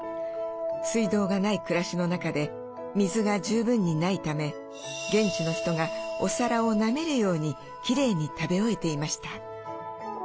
水道がない暮らしの中で水が十分にないため現地の人がお皿をなめるようにきれいに食べ終えていました。